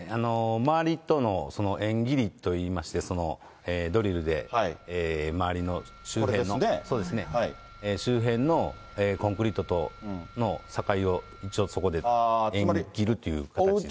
周りとのえんぎりといいまして、ドリルで周りの、周辺のコンクリートとの境を一応そこでえんぎるという形で。